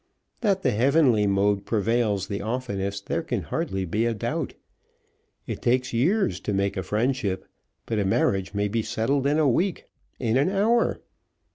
That the heavenly mode prevails the oftenest there can hardly be a doubt. It takes years to make a friendship; but a marriage may be settled in a week, in an hour.